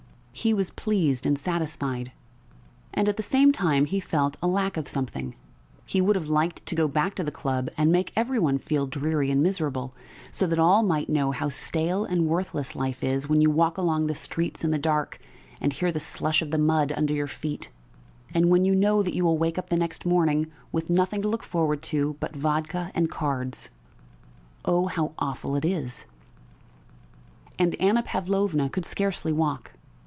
He was pleased and satisfied, and at the same time he felt the lack of something; he would have liked to go back to the club and make every one feel dreary and miserable, so that all might know how stale and worthless life is when you walk along the streets in the dark and hear the slush of the mud under your feet, and when you know that you will wake up next morning with nothing to look forward to but vodka and cards. Oh, how awful it is! And Anna Pavlovna could scarcely walk....